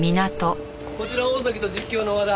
こちら大崎と実況の和田。